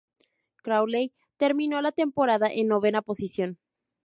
Crawley terminó la temporada en novena posición.